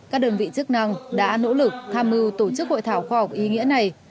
các đơn vị chức năng đã nỗ lực tham mưu tổ chức hội thảo khoa học ý nghĩa này